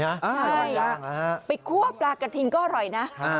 ใช่ไปคั่วปลากระทิงก็อร่อยนะ